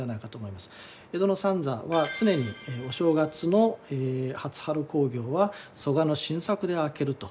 江戸の三座は常にお正月の初春興行は曽我の新作で明けると。